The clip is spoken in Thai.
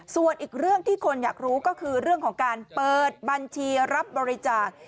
ส่วนอีกเรื่องที่คนอยากรู้ก็คือเรื่องของการเปิดบัญชีรับบริจาค